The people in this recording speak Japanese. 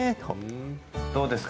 どうですか？